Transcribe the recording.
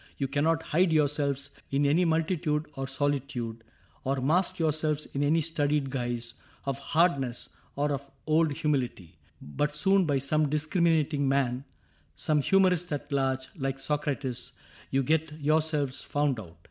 You cannot hide yourselves In any multitude or solitude, Or mask yourselves in any studied guise Of hardness or of old humility, But soon by some discriminating man — Some humorist at large, like Socrates— You get yourselves found out.